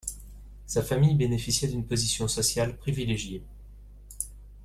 Sa famille bénéficiait d'une position sociale privilégiée.